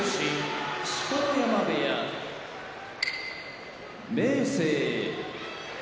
錣山部屋明生